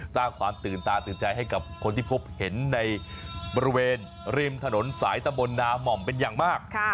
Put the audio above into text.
สร้างความตื่นตาตื่นใจให้กับคนที่พบเห็นในบริเวณริมถนนสายตะบนนาม่อมเป็นอย่างมาก